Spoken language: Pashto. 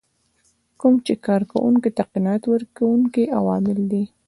کوم چې کار کوونکو ته قناعت ورکوونکي عوامل دي.